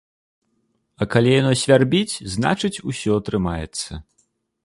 А калі яно свярбіць, значыць, усё атрымаецца.